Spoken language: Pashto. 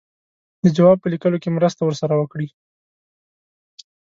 د جواب په لیکلو کې مرسته ورسره وکړي.